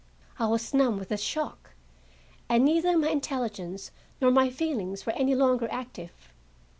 I was numb with the shock, and neither my intelligence nor my feelings were any longer active.